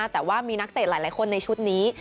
แต่ว่ามีนักเตะหลายคนในชุดนี้